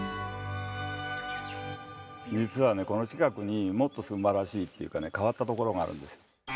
実はこの近くにもっと素晴らしいっていうか変わったところがあるんですよ。